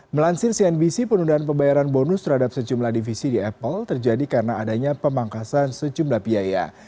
melansir cnbc penundaan pembayaran bonus terhadap sejumlah divisi di apple terjadi karena adanya pemangkasan sejumlah biaya